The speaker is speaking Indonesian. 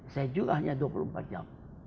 saya juga hanya dua puluh empat jam